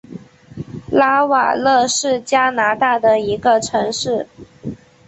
拉瓦勒是加拿大的一个城市。